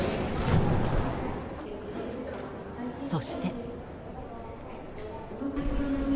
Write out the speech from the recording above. そして。